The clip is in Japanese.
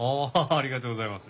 ありがとうございます。